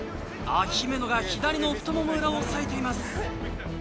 ああ、姫野が左の太もも裏を押さえています。